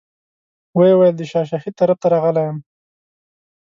ویې ویل د شاه شهید طرف ته راغلی یم.